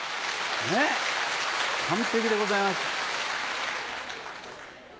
完璧でございます。